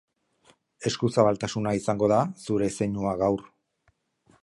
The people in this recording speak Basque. Eskuzabaltasuna izango da zure zeinua gaur.